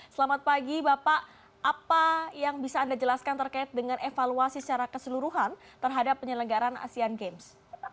selamat pagi bapak apa yang bisa anda jelaskan terkait dengan evaluasi secara keseluruhan terhadap penyelenggaran asean games